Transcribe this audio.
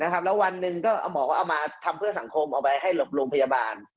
แล้ววันหนึ่งก็หมอก็เอามาทำเพื่อสังคมเอาไว้ให้หลบโรงพยาบาล